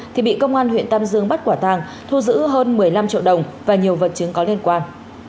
thì bị công an huyện tam dương bắt quả tàng thu giữ hơn một mươi năm triệu đồng và nhiều vật chứng có liên quan